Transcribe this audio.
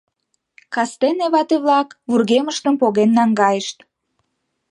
Кастене вате-влак вургемыштым поген наҥгайышт.